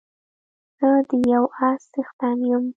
زه د يو اس څښتن يم